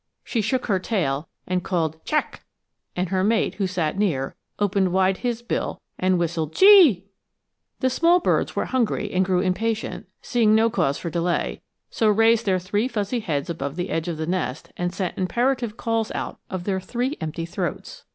She shook her tail and called chack, and her mate, who sat near, opened wide his bill and whistled chee. The small birds were hungry and grew impatient, seeing no cause for delay, so raised their three fuzzy heads above the edge of the nest and sent imperative calls out of their three empty throats.